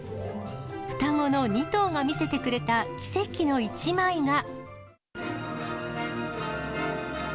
双子の２頭が見せてくれた奇跡の１枚が。